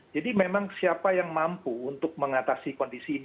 jadi memang siapa yang mampu untuk mengatasi kondisi ini